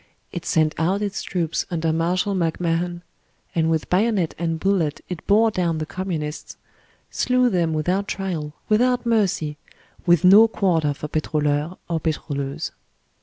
It sent out its troops under Marshal MacMahon, and with bayonet and bullet it bore down the Communists, slew them without trial, without mercy, with no quarter for pitroliur or pitroleuse.